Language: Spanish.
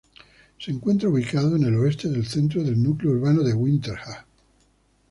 Se encuentra ubicada en el oeste del centro del núcleo urbano de Winterthur.